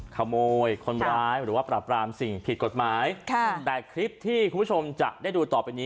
ขโมยคนร้ายหรือว่าปราบรามสิ่งผิดกฎหมายค่ะแต่คลิปที่คุณผู้ชมจะได้ดูต่อไปนี้